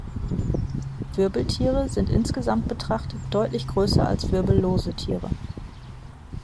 Wirbeltiere sind insgesamt betrachtet deutlich größer als wirbellose Tiere.